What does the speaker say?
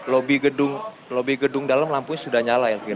lobby gedung dalam lampunya sudah nyala ya kira kira